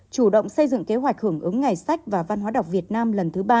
chủ động xây dựng kế hoạch hưởng ứng ngày sách và văn hóa đọc việt nam lần thứ ba